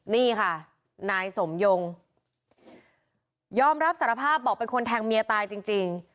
นี่ค่ะนายสมยงยอมรับสารภาพบอกเป็นคนแทงเมียตายจริง